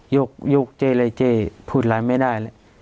ยกเจ๊เลยเจ๊พูดอะไรไม่ได้แล้ว